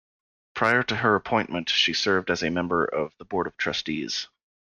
Prior to her appointment, she served as a member of the Board of Trustees.